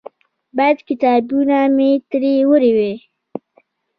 باید کتابونه مې ترې وړي وای.